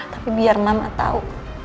tapi biar mama tau